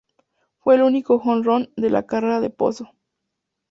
Fue el único jonrón de la carrera de "Pozo".